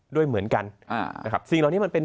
ด้วยเหมือนกันนะครับสิ่งเหล่านี้มันเป็น